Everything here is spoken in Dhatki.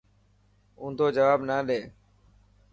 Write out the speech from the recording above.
اونڌو جواب نه ڏي.